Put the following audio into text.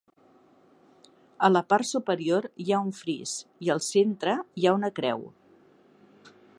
A la part superior hi ha un fris i, al centre, hi ha una creu.